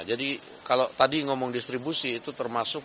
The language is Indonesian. jadi kalau tadi ngomong distribusi itu termasuk